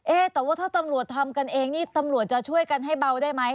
แต่ว่าถ้าตำรวจทำกันเองนี่ตำรวจจะช่วยกันให้เบาได้ไหม